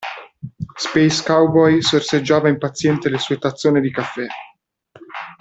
Space Cowboy sorseggiava impazientemente le sue tazzone di caffè.